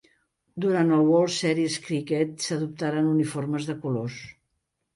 Durant el World Series Cricket, s'adoptaren uniformes de colors.